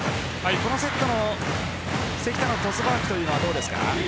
このセットの関田のトスワークというのはどうですか？